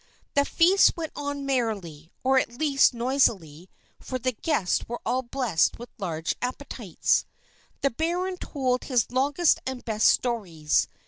The feast went on merrily, or at least noisily, for the guests were all blessed with large appetites. The baron told his longest and best stories.